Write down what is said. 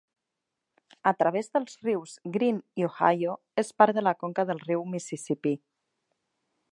A través dels rius Green i Ohio, és part de la conca del riu Mississipí.